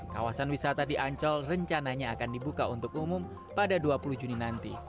kawasan wisata di ancol rencananya akan dibuka untuk umum pada dua puluh juni nanti